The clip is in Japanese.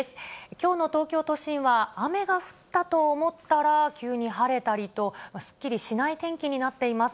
きょうの東京都心は、雨が降ったと思ったら、急に晴れたりと、すっきりしない天気になっています。